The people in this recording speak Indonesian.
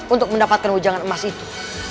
untuk mendapatkan ujangan emas itu